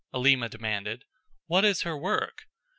Alima demanded. "What is her work?"